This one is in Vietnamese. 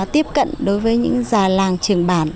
tiếp cận đối với những già làng trường bản